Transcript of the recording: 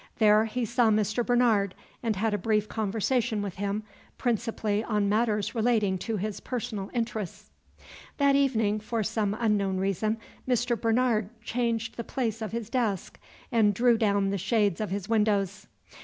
There he saw Mr. Bernard, and had a brief conversation with him, principally on matters relating to his personal interests. That evening, for some unknown reason, Mr. Bernard changed the place of his desk and drew down the shades of his windows.